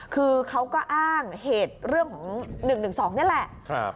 คือเขาก็อ้างเหตุเรื่องของ๑๑๒นี่แหละ